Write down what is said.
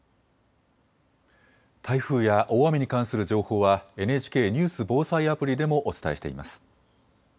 台風や大雨に関する情報はＮＨＫニュース・防災アプリでもお伝えしています。